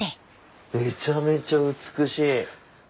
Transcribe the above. めちゃめちゃ美しい。